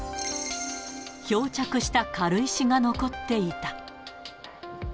漂着した軽石が残っていた。